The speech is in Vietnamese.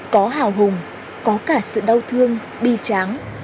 có hào hùng có cả sự đau thương bi tráng